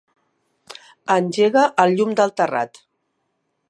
Engega el llum del terrat.